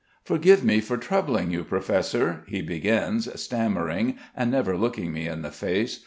"Forgive me for troubling you, Professor...." he begins, stammering and never looking me in the face.